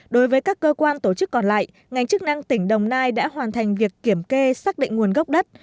đối với các cơ quan tổ chức còn lại ngành chức năng tỉnh đồng nai đã hoàn thành việc kiểm kê xác định nguồn gốc đất